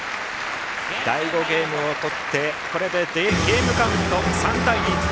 第５ゲームを取ってこれでゲームカウント３対２。